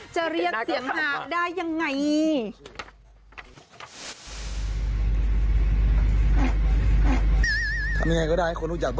จะเรียกเสียงหางได้ยังไง